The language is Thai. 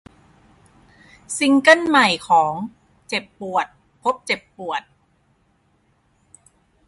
ซิงเกิลใหม่ของ เจ็บปวด พบเจ็บปวด